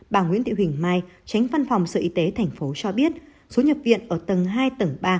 bà nguyễn thị huỳnh mai tránh văn phòng sở y tế tp cho biết số nhập viện ở tầng hai tầng ba